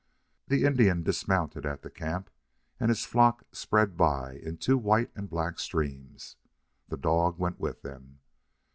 The Indian dismounted at the camp, and his flock spread by in two white and black streams. The dog went with them.